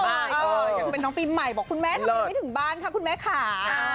อยากเป็นน้องปีใหม่บอกคุณแม่ทำไมไม่ถึงบ้านคะคุณแม่ค่ะ